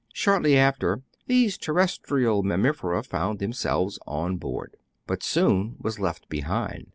Shortly after, these terrestrial mammifera found themselves on board. But Soun was left behind.